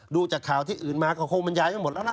ดูจากข่าวที่อื่นมาก็คงบรรยายไว้หมดแล้วนะ